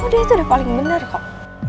udah itu udah paling benar kok